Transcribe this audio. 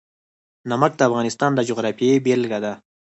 نمک د افغانستان د جغرافیې بېلګه ده.